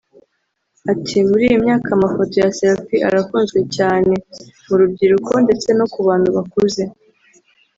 Ati’’ Muri iyi myaka amafoto ya selfie arakunzwe cyane mu rubyiruko ndetse no ku bantu bakuze